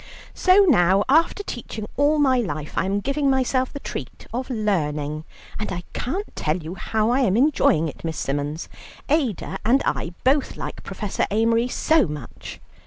"So now, after teaching all my life, I am giving myself the treat of learning, and I can't tell you how I am enjoying it, Miss Symons. Ada and I both like Professor Amery so much."